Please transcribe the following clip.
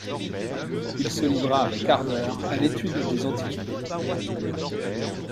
Il se livra avec ardeur à l'étude des antiquités.